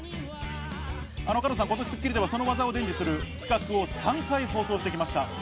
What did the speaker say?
加藤さん、今年『スッキリ』ではスゴ技を伝授する企画を３回放送してきました。